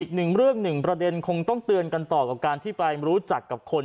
อีกหนึ่งเรื่องหนึ่งประเด็นคงต้องเตือนกันต่อกับการที่ไปรู้จักกับคน